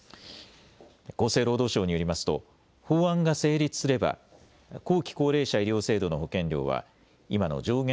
厚生労働省によりますと法案が成立すれば後期高齢者医療制度の保険料は今の上限